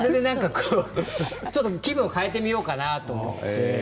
気分を変えてみようかなと思って。